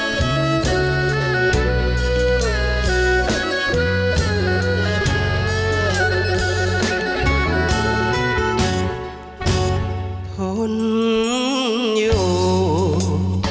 ด้วยมันเสียบสภาพแหลงการพูดเทมขาวบนปาทำพวกเรา